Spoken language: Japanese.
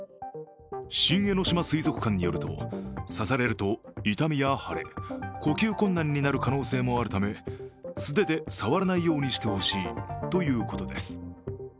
新江ノ島水族館によると刺されると痛みや腫れ呼吸困難になる可能性もあるため素手で触らないようにしてほしいということです。